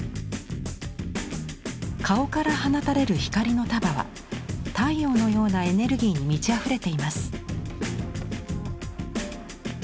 顔から放たれる光の束は太陽のようなエネルギーに満ちあふれています。